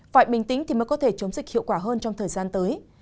phải bình tĩnh thì mới có thể chống dịch hiệu quả hơn trong thời gian tới